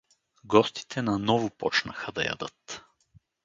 Гостите наново почнаха да ядат.